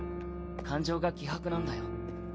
感情が希薄なんだよ。